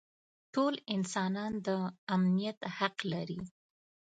ټول انسانان د امنیت حق لري.